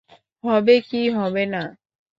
হবে কি হবে না।